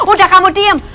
udah kamu diem